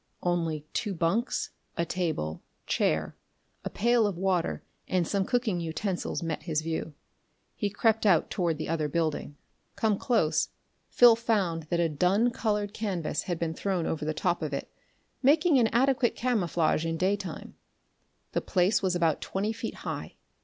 Only two bunks, a table, chair, a pail of water and some cooking utensils met his view. He crept out toward the other building. Come close, Phil found that a dun colored canvas had been thrown over the top of it, making an adequate camouflage in daytime. The place was about twenty feet high.